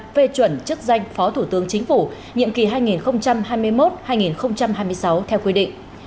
phê chuẩn chức danh phó thủ tướng chính phủ nhiệm kỳ hai nghìn hai mươi một hai nghìn hai mươi sáu theo quy định